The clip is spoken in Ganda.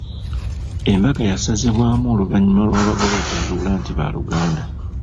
Embaga yasazibwamu oluvannyuma lw'abagole okuzuula nti baaluganda.